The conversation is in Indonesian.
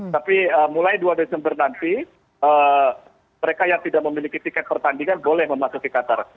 tapi mulai dua desember nanti mereka yang tidak memiliki tiket pertandingan boleh memasuki qatar